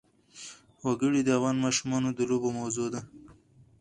وګړي د افغان ماشومانو د لوبو موضوع ده.